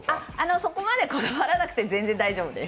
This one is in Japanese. そこまでこだわらなくて全然大丈夫です。